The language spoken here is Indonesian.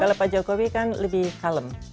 kalau pak jokowi kan lebih kalem